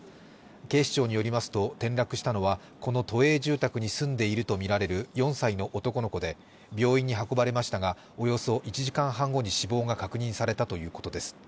警視庁によりますと、転落したのはこの都営住宅に住んでいるとみられる４歳の男の子で、病院に運ばれましたが、およそ１時間半後に死亡が確認されたということです。